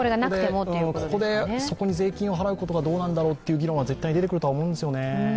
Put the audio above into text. ここでそこに税金を払うことがどうなんだろうという議論は絶対に出てくると思うんですよね。